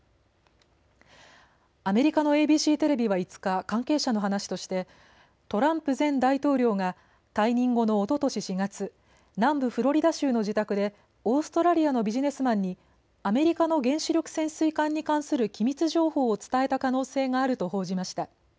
アメリカのＡＢＣテレビは５日、関係者の話としてトランプ前大統領が退任後のおととし４月、南部フロリダ州の自宅でオーストラリアのビジネスマンにアメリカの原子力潜水艦に関する機密情報を伝えた可能性があると報じました。